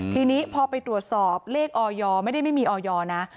ทีนี้พอไปตรวจสอบเลขออยไม่ได้ไม่มีออยนะ